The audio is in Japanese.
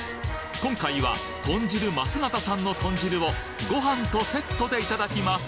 今回はとん汁桝形さんの豚汁をご飯とセットでいただきます